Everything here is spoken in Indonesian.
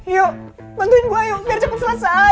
yuk bantuin gue yuk biar cepet selesai